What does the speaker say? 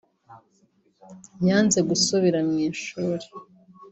yanze gusubira mu ishuri